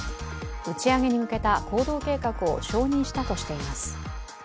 打ち上げに向けた行動計画を承認したとしています。